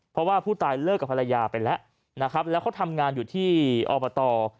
เพราะว่าผู้ตายเลิกกับภรรยาไปแล้วนะครับแล้วเขาทำงานอยู่ที่อบต